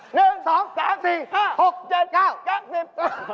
หนึ่งสองสามสี่ห้าหกเจ็ดเก้าเก้าสิบเฮ่ยเฮ่ย